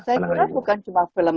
saya kira bukan cuma film